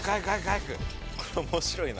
これ面白いな。